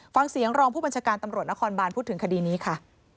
ฟังเสียงรองผู้บัญชาการตำรวจนครบานพูดถึงคดีนี้ค่ะ